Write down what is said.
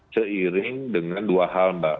seiring dengan dua hal mbak